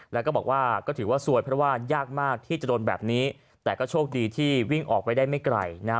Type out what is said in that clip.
แล้วก็บอกว่าก็ถือว่าซวยเพราะว่ายากมากที่จะโดนแบบนี้แต่ก็โชคดีที่วิ่งออกไปได้ไม่ไกลนะฮะ